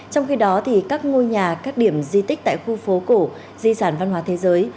trong khi đó các ngôi nhà các điểm di tích tại khu phố cổ di sản văn hóa thế giới